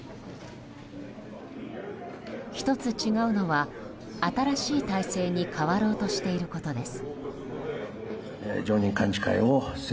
１つ違うのは新しい体制に変わろうとしていることです。